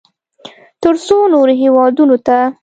ترڅو نورو هېوادونو ته